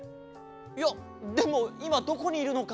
いやでもいまどこにいるのか。